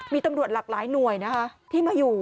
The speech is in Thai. มีตำรวจหลากหลายหน่วยนะคะที่มาอยู่